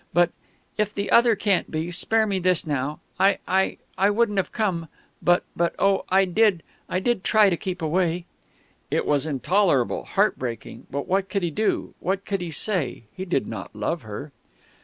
But if the other can't be, spare me this now! I I wouldn't have come, but but oh, I did, I did try to keep away!" It was intolerable, heartbreaking; but what could he do what could he say? He did not love her...